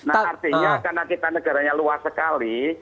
nah artinya karena kita negaranya luas sekali